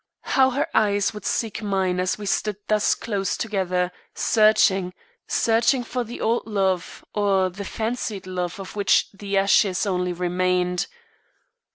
How her eyes would seek mine as we stood thus close together, searching, searching for the old love or the fancied love of which the ashes only remained.